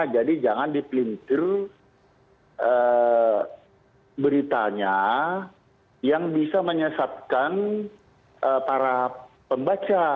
jadi jangan dipelintir beritanya yang bisa menyesatkan para pembaca